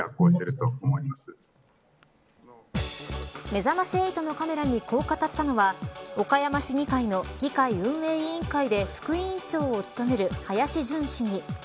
めざまし８のカメラにこう語ったのは岡山市議会の議会運営委員会で副委員長を務める林潤市議。